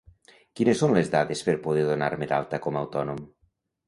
Quines són les dades per poder donar-me d'alta com a autònom?